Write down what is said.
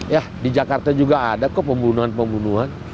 ya di jakarta juga ada kok pembunuhan pembunuhan